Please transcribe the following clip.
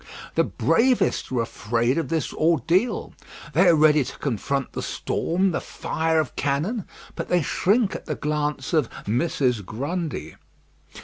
The bravest are afraid of this ordeal. They are ready to confront the storm, the fire of cannon, but they shrink at the glance of "Mrs. Grundy."